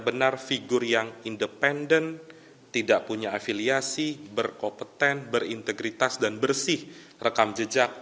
benar figur yang independen tidak punya afiliasi berkompeten berintegritas dan bersih rekam jejak